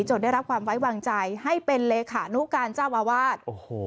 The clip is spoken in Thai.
ได้รับความไว้วางใจให้เป็นเลขานุการเจ้าอาวาส